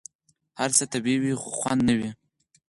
هر څه طبیعي وي، خوندي نه وي.